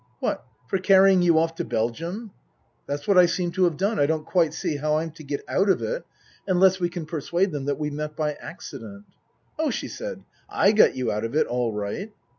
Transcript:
" What, for carrying you off to Belgium ? That's what I seem to have done. I don't quite see how I'm to get out of it unless we can persuade them that we met by accident." " Oh," she said, "I got you out of it all right."